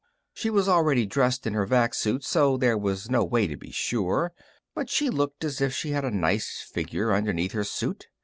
She was already dressed in her vac suit, so there was no way to be sure, but she looked as if she had a nice figure underneath the suit.